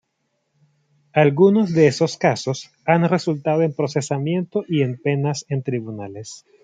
Algunos de esos casos han resultado en procesamiento y en penas en tribunales.